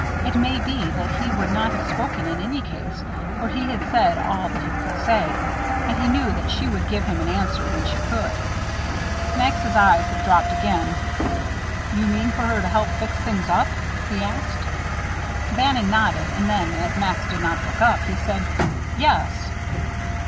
It may be that he would not have spoken in any case, for he had said all that he could say, and he knew that she would give him an answer when she could. Max's eyes had dropped again. "You mean for her to help fix things up?" he asked. Bannon nodded; and then, as Max did not look up, he said, "Yes."